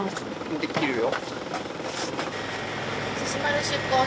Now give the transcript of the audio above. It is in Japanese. できるよ。